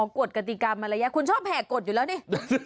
อ๋อกรรติกรรมมาระยะคุณชอบแห่กรรมอยู่แล้วนิ